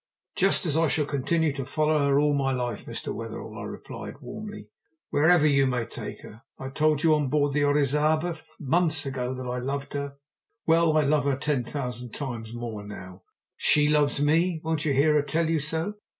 "Just as I shall continue to follow her all my life, Mr. Wetherell," I replied warmly, "wherever you may take her. I told you on board the Orizaba, months ago, that I loved her: well, I love her ten thousand times more now. She loves me won't you hear her tell you so?